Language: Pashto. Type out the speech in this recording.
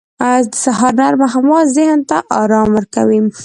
• د سهار نرمه هوا ذهن ته آرام ورکوي.